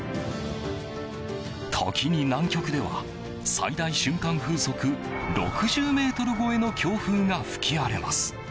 時に南極では最大瞬間風速６０メートル超えの強風が吹き荒れます。